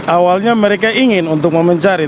awalnya mereka ingin untuk mencari